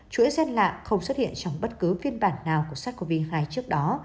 chuỗi gen lạ không xuất hiện trong bất cứ phiên bản nào của sars cov hai trước đó